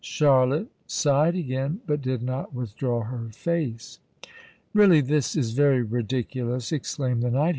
Charlotte sighed again, but did not withdraw her face. "Really this is very ridiculous!" exclaimed the knight.